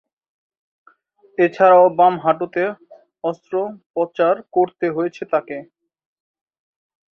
এছাড়াও, বাম হাঁটুতে অস্ত্রোপচার করতে হয়েছে তাকে।